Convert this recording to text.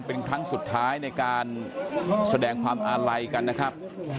เป็นครั้งสุดท้ายในการแสดงความอาลัยกันนะครับ